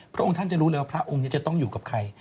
พระองค์ท่านจะรู้เลยว่าพระองค์นี้จะต้องอยู่กับใคร